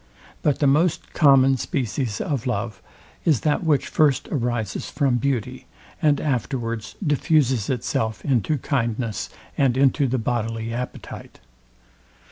But the most common species of love is that which first arises from beauty, and afterwards diffuses itself into kindness and into the bodily appetite.